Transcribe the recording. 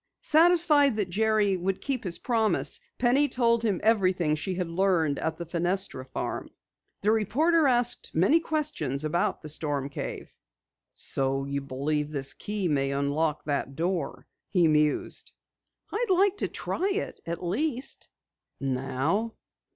Satisfied that Jerry would keep his promise, Penny told him everything she had learned at the Fenestra farm. The reporter asked many questions about the storm cave. "So you believe this key may unlock the door?" he mused. "I'd like to try it, at least." "Now?"